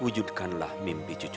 wujudkanlah mimpi cucuku ini